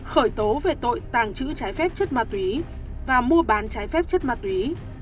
khởi tố về tội tàng trữ trái phép chất ma túy và mua bán trái phép chất ma túy